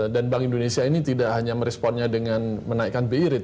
dan bank indonesia ini tidak hanya meresponnya dengan menaikkan bi rate